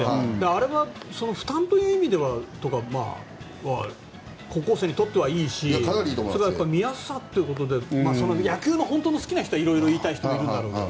あれは負担という意味では高校生にとってはいいしそれは見やすさということで野球が本当に好きな人はいろいろ言いたいと思うけど。